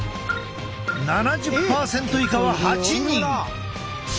７０％以下は８人。